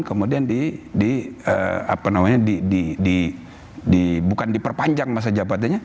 kemudian bukan diperpanjang masa jabatannya